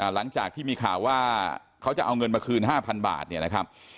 หลังจากที่มีข่าวว่าเขาจะเอาเงินมาคืน๕๐๐บาทเนี่ยนะครับ